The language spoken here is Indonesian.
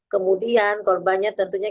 kemudian korbannya tentunya